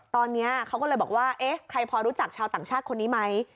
ตอนนี้เขาก็เลยบอกว่าเอ๊ะใครพอรู้จักชาวต่างชาติคนนี้ไหม